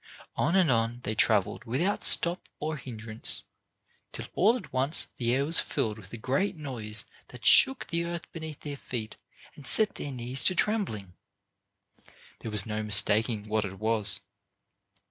On and on they traveled without stop or hindrance, till all at once the air was filled with a great noise that shook the earth beneath their feet and set their knees to trembling. There was no mistaking what it was.